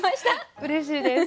うれしいです。